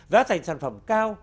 giá thành sản phẩm cao